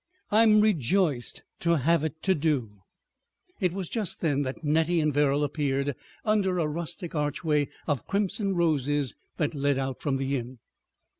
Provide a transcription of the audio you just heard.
I'm rejoiced to have it to do. ..." It was just then that Nettie and Verrall appeared under a rustic archway of crimson roses that led out from the inn.